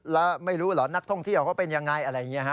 แล้วไม่รู้เหรอนักท่องเที่ยวเขาเป็นยังไงอะไรอย่างนี้ฮะ